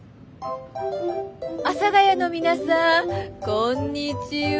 阿佐ヶ谷の皆さんこんにちは。